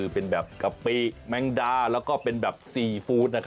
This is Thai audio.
เป็นกะปิแม่งดาแล้วเป็นซีฟู้ด